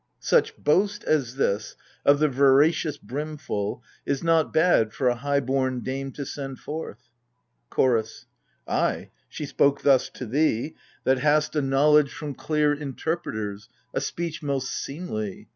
Such boast as this — of the veracious brimful — Is not bad for a high born dame to send forth ! CHORDS. Ay, she spoke thus to thee — that hast a knowledge E 2 52 AGAMEMNON. From clear interpreters — a speech most seemly